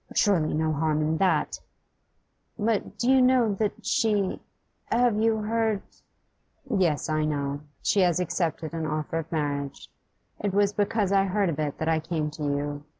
'Surely no harm in that.' 'But do you know that she have you heard ?' 'Yes, I know. She has accepted an offer of marriage. It was because I heard of it that I came to you.